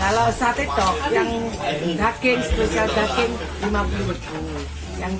kalau satu tok yang daging spesial daging rp lima puluh